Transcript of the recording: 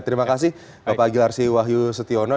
terima kasih bapak gilarsi wahyu setiono